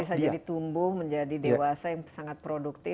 bisa jadi tumbuh menjadi dewasa yang sangat produktif